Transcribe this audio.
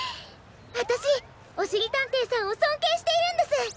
わたしおしりたんていさんをそんけいしているんです。